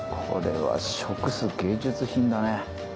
これは食す芸術品だね